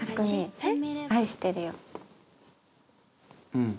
うん。